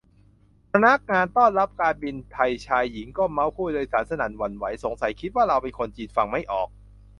พนักงานต้อนรับการบินไทยชายหญิงก็เมาท์ผู้โดยสารสนั่นหวั่นไหว สงสัยคิดว่าเราเป็นคนจีนฟังไม่ออก